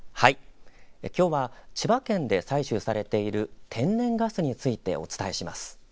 きょうは千葉県で採取されている天然ガスについてお伝えします。